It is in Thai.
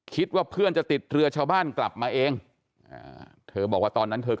คิดว่าเพื่อนจะติดเรือชาวบ้านกลับมาเองเธอบอกว่าตอนนั้นเธอ